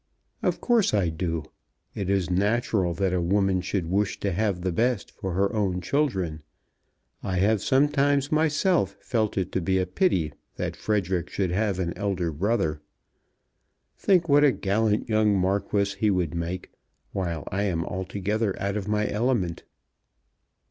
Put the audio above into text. "Of course I do. It is natural that a woman should wish to have the best for her own children. I have sometimes myself felt it to be a pity that Frederic should have an elder brother. Think what a gallant young Marquis he would make, while I am altogether out of my element."